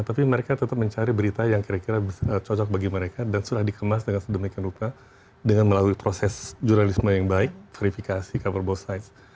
tapi mereka tetap mencari berita yang kira kira cocok bagi mereka dan sudah dikemas dengan sedemikian rupa dengan melalui proses jurnalisme yang baik verifikasi coverbsite